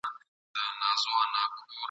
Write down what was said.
مینه مو زړه ده پیوند سوې له ازله ..